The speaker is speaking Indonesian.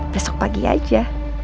besok pagi aja